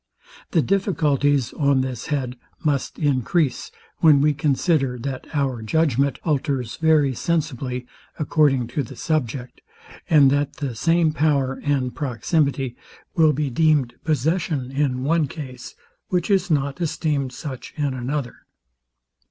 The difficulties on this head must encrease, when we consider, that our judgment alters very sensibly, according to the subject, and that the same power and proximity will be deemed possession in one case, which is not esteemed such in another.